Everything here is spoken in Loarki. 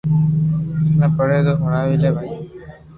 ٿني پڙي تو ھڻَاوي لي ڀائي